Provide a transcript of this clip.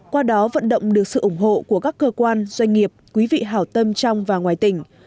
qua đó vận động được sự ủng hộ của các cơ quan doanh nghiệp quý vị hảo tâm trong và ngoài tỉnh